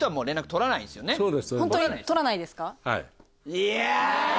いや！